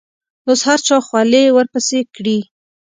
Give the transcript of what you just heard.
اوس هر چا خولې ورپسې کړي.